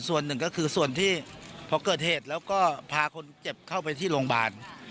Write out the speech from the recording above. ส่วนหนึ่งก็คือส่วนที่พอเกิดเหตุแล้วก็พาคนเจ็บเข้าไปที่โรงพยาบาล